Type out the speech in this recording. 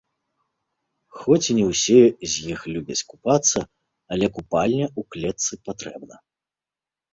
Хоць і не ўсе з іх любяць купацца, але купальня ў клетцы патрэбна.